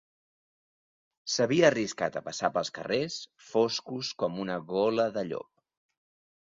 S'havia arriscat a passar pels carrers, foscos com una gola de llop